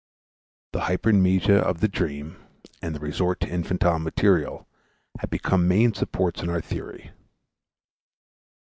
The hypermnesia of the dream and the resort to infantile material have become main supports in our theory.